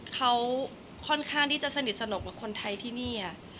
เขาค่อนข้างที่จะสนิทสนมกับคนไทยที่นี่